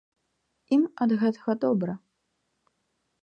Ім ад гэтага добра.